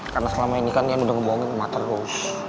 karena selama ini kan yan udah ngebohongin ma terus